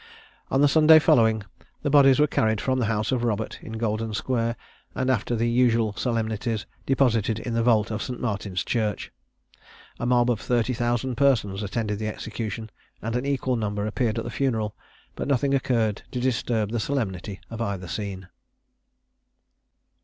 On the Sunday following, the bodies were carried from the house of Robert, in Golden square, and, after the usual solemnities, deposited in the vault of St. Martin's church. A mob of thirty thousand persons attended the execution, and an equal number appeared at the funeral, but nothing occurred to disturb the solemnity of either scene.